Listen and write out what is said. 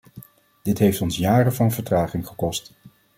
Dit heeft ons jaren van vertraging gekost.